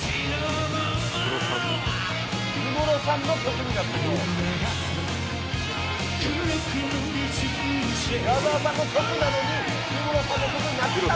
氷室さんの曲になってる！